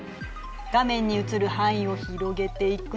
画面に映る範囲を広げていくと。